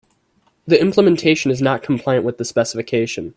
The implementation is not compliant with the specification.